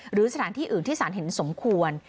หรือสถานที่อื่นที่สารเห็นสมควร